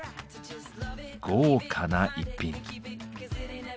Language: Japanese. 豪華な逸品。